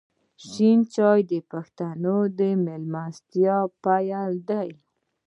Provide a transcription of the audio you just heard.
شین چای د پښتنو د میلمستیا پیل دی.